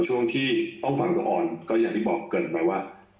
ช่วงที่ต้องฝังตัวอ่อนก็อย่างที่บอกเกิดไปว่า